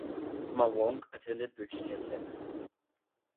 Ma Wong attended Virginia Tech.